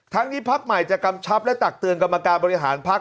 ทั้งนี้พักใหม่จะกำชับและตักเตือนกรรมการบริหารพัก